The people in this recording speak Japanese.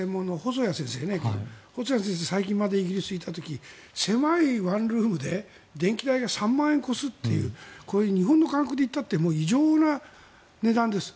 細谷先生は最近までイギリスにいた時に狭いワンルームで電気代が３万円を超すという日本の感覚で言ったって異常な値段です。